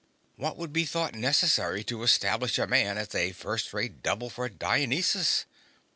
What would be thought necessary to establish a man as a first rate double for Dionysus?